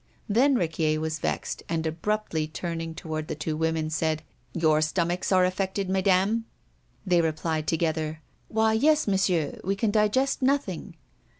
Then Riquier was vexed, and abruptly turning toward the two women said: "Your stomachs are affected, Mesdames." They replied together: "Why, yes, Monsieur. We can digest nothing."